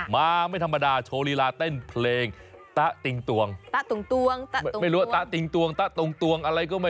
มาไม่ธรรมดาโชว์รีลาเต้นเพลงตะติ่งตวง